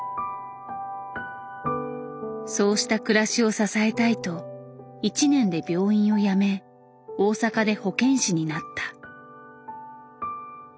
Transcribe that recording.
そうした暮らしを支えたいと１年で病院を辞め大阪で保健師になった。